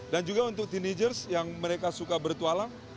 dan juga untuk teenagers yang mereka suka bertualang